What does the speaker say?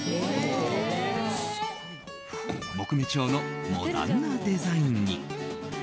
木目調のモダンなデザインに。